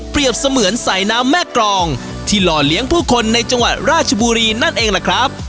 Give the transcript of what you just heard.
เสมือนสายน้ำแม่กรองที่หล่อเลี้ยงผู้คนในจังหวัดราชบุรีนั่นเองล่ะครับ